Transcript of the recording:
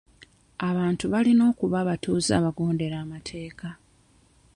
Abantu balina okuba abatuuze abagondera amateeka.